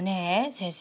先生